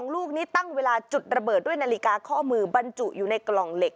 ลูกนี้ตั้งเวลาจุดระเบิดด้วยนาฬิกาข้อมือบรรจุอยู่ในกล่องเหล็ก